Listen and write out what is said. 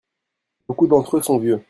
Beaucoup d'entre eux sont vieux.